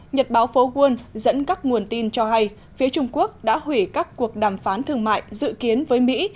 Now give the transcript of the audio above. nhật báo phố quân dẫn các nguồn tin cho hay phía trung quốc đã hủy các cuộc đàm phán thương mại dự kiến với mỹ